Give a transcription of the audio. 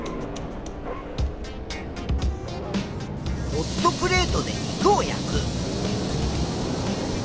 ホットプレートで肉を焼く。